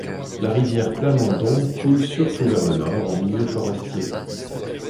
La rivière Plamondon coule surtout vers le nord, en milieu forestier.